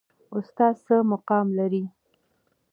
استاد څه مقام لري؟